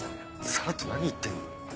さらっと何言ってんの？